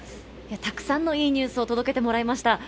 たくさんのいいニュースを届けてもらいました。